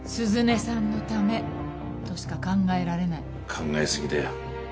考えすぎだよ。